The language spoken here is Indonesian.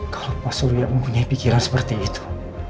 kalau pak surya mempunyai pikiran seperti itu